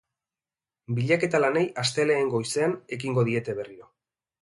Bilaketa lanei astelehen goizean ekingo diete berriro.